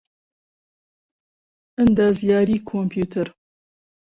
ئەندازیاریی کۆمپیوتەر